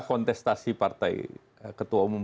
kontestasi partai ketua umum